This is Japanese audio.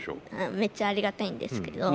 めっちゃありがたいんですけど。